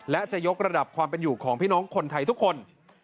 และจะยกระดับความเป็นอยู่ของพี่น้องคนไทยทุกคน